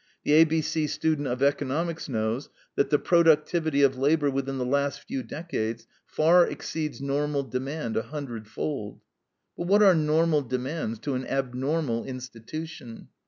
The A B C student of economics knows that the productivity of labor within the last few decades far exceeds normal demand a hundredfold. But what are normal demands to an abnormal institution?